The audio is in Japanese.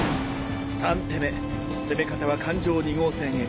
三手目攻方は環状２号線へ。